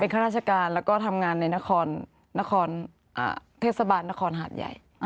ข้าราชการแล้วก็ทำงานในเทศบาลนครหาดใหญ่